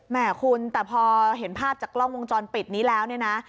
แหม่คุณแต่พอเห็นภาพจากร่องวงจรปิดนี้แล้วนะ